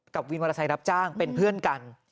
กับวินวาลัยไทยรับจ้างเป็นเพื่อนกัน